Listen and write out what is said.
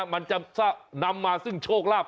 มันจะนำมาซึ่งโชคลาภ